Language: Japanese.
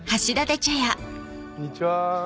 こんにちは。